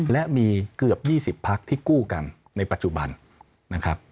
และมีเกือบ๒๐พักที่กู้กันในปัจจุบันนะครับ